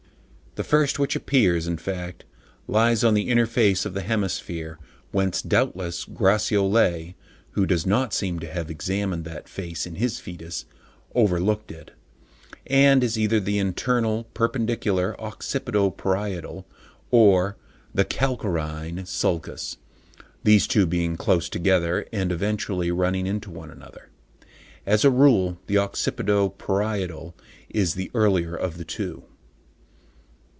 The first which appears, in fact, lies on the inner face of the hemisphere (whence doubtless Gratiolet, who does not seem to have examined that face in his foetus, overlooked it), and is either the internal perpendicular (occipito parietal), or the calcarine sulcus, these two being close together and eventually running into one another. As a rule the occipito parietal is the earlier of the two.